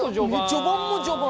序盤も序盤。